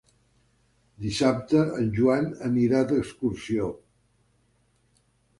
Dissabte en Joan anirà d'excursió.